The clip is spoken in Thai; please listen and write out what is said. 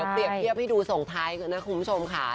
เปรียบเทียบให้ดูส่งท้ายกันนะคุณผู้ชมค่ะ